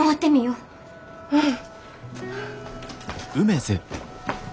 うん。